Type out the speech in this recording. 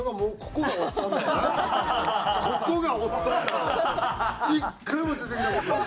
ここがおっさん。